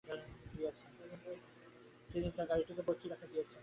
তিনি তাঁর গাড়িটিকে পক্ষীর আকার দিয়েছিলেন।